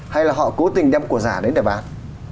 hay là họ cố tình đem của giả đến để bán